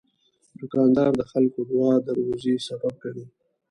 دوکاندار د خلکو دعا د روزي سبب ګڼي.